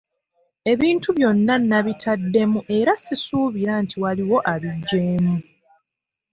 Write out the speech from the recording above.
Ebintu byonna nabitaddemu era sisuubira nti waliwo abiggyeemu.